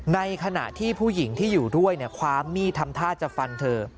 ในขณะที่ผู้หญิงที่อยู่ด้วยความมีดทำท่าจะฟันเธอ